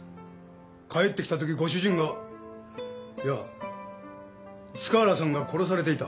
帰ってきたときご主人がいや塚原さんが殺されていた。